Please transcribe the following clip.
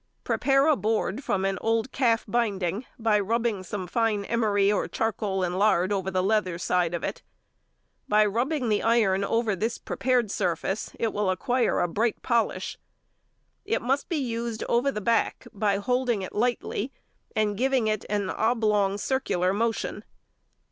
Prepare a board from an old calf binding, by rubbing some fine emery or charcoal and lard over the leather side of it. By rubbing the iron over this prepared surface it will acquire a bright polish. It must be used over the back by holding it lightly, and giving it an oblong circular motion.